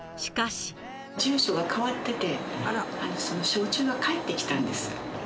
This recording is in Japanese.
住所が変わってて、その焼酎が返ってきたんです。